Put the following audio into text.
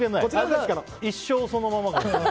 一生そのままだよ。